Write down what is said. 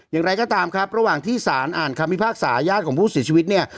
อย่างไรก็ตามครับระหว่างที่สารอ่านคำพิพากษาญาติของผู้เสียชีวิตเนี่ย